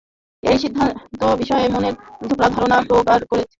এই সিদ্ধান্তবিষয়ে মনের ধারণা প্রগাঢ় করিতে হইবে।